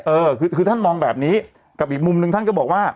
เออคือท่านมองแบบนี้กับอีกมุมหนึ่งท่านก็บอกว่า